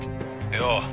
「よう。